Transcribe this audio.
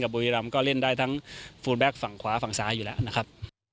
โฟลแบ็กส์ฝั่งขวาฝั่งซ้ายอยู่แล้วนะครับ